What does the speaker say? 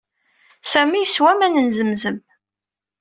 Sami yeswa aman n Zemzem.